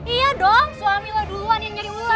iya dong suami lo duluan yang nyari ular